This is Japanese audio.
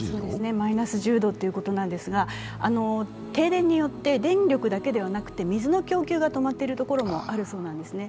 マイナス１０度ということなんですが停電によって電力だけではなくて水の供給も止まっているところがあるそうなんですね。